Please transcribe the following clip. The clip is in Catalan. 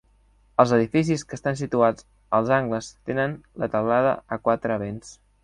Els edificis que estan situats als angles tenen la teulada a quatre vents.